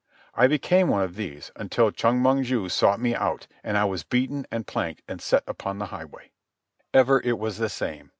I became one of these, until Chong Mong ju sought me out, and I was beaten and planked and set upon the highway. Ever it was the same.